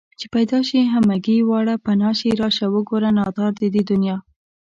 چې پيدا شي همگي واړه پنا شي راشه وگوره ناتار د دې دنيا